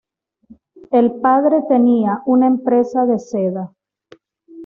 El padre tenía una empresa de seda.